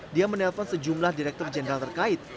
dia menelpon sejumlah direktur jenderal terkait